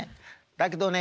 だけどね